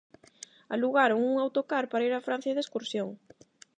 Alugaron un autocar para ir a Francia de excursión.